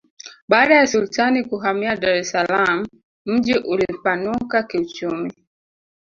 baada ya sultani kuhamia dar es salaam mji ulipanuka kiuchumi